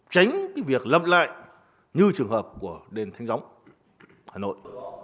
tránh việc lâm lại như trường hợp của đền thanh gióng hà nội